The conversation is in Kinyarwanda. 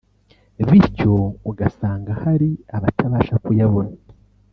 bityo ugasanga hari abatabasha kuyabona